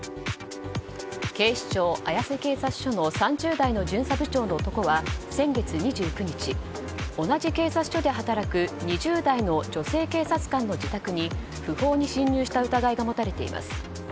警視庁綾瀬警察署の３０代の巡査部長の男は先月２９日、同じ警察署で働く２０代の女性警察官の自宅に不法に侵入した疑いが持たれています。